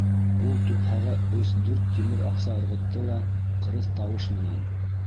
Ул тупһаға өс-дүрт тимер аҡса ырғытты ла ҡырыҫ тауыш менән: